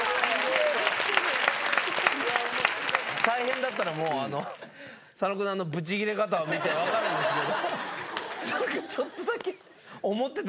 大変だったのも佐野君のあのブチギレ方を見て分かるんですけど。